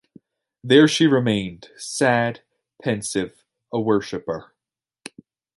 There she remained — sad, pensive, a worshipper.